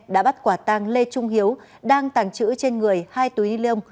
đã bắt quả tàng lê trung hiếu đang tàng trữ trên người hai túi liêng